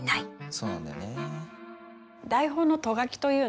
そうなんだよね。